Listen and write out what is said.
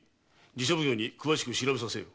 寺社奉行に詳しく調べさせよ。